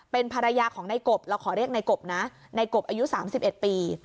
เป็นภรรยาของในกบเราขอเรียกในกบนะในกบอายุ๓๑ปี